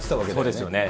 そうですよね。